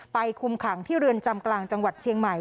คุมขังที่เรือนจำกลางจังหวัดเชียงใหม่